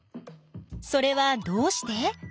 それはどうして？